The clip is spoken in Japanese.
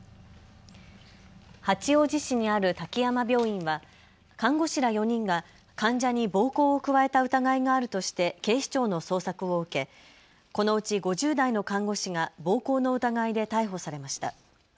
八王子市にある滝山病院は看護師ら４人が患者に暴行を加えた疑いがあるとして警視庁の捜索を受けこのうち５０代の看護師が暴行の疑いで逮捕されました。